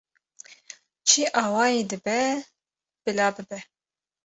Çi awayî dibe bila bibe